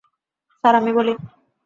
Sir, আমি বলি?